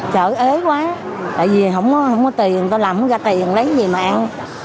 trời ơi ế quá tại vì không có tiền người ta làm không ra tiền lấy gì mà ăn